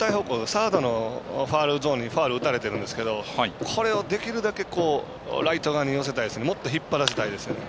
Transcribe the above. サードのファウルゾーンにファウル打たれてるんですけどこれをできるだけライト側に寄せたいですね。